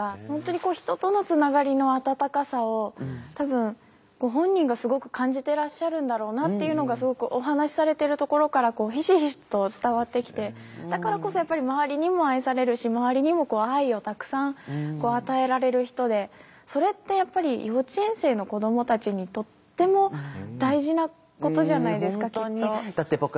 本当に人とのつながりの温かさを多分ご本人がすごく感じてらっしゃるんだろうなっていうのがすごくお話しされているところからひしひしと伝わってきてだからこそやっぱり周りにも愛されるし周りにも愛をたくさん与えられる人でそれってやっぱり幼稚園生の子どもたちにとっても大事なことじゃないですかきっと。